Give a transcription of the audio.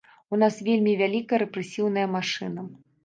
У нас вельмі вялікая рэпрэсіўная машына.